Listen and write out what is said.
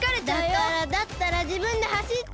だからだったらじぶんではしってよ！